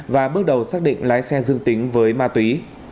và bước đầu xác định lái xe dương tính với ma túy